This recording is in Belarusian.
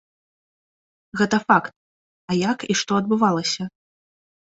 Гэта факт, а як і што адбывалася?